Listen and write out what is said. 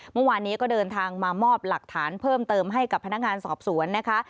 เมื่อวานนี้ก็เดินทางมามอบหลักฐานเพิ่มเติมให้กับพนักงานสอบสวนนะคะ